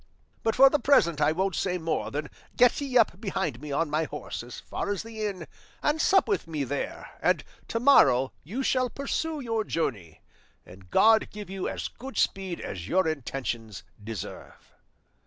But for the present I won't say more than get ye up behind me on my horse as far as the inn, and sup with me there, and to morrow you shall pursue your journey, and God give you as good speed as your intentions deserve."